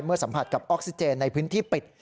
สัมผัสกับออกซิเจนในพื้นที่ปิด